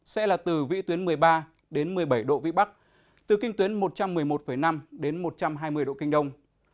sẽ là từ vĩ tuyến một mươi ba đến một mươi bảy độ vĩ bắc từ kinh tuyến một trăm một mươi một năm đến một trăm hai mươi độ kinh đông